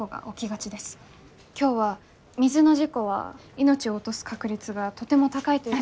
今日は水の事故は命を落とす確率がとても高いということに。